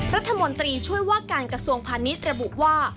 รัฐมนตรีช่วยว่าการกระทรวงพาณิชย์ระบุว่า